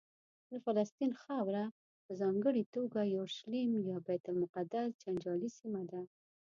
د فلسطین خاوره په ځانګړې توګه یورشلیم یا بیت المقدس جنجالي سیمه ده.